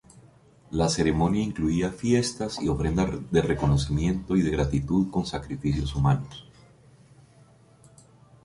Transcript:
La ceremonia incluía fiestas y ofrendas de reconocimiento y de gratitud con sacrificios humanos.